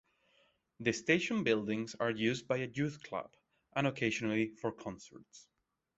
The station buildings are used by a youth club, and occasionally for concerts.